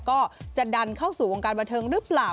ก็จะดันเข้าสู่วงการบันเทิงหรือเปล่า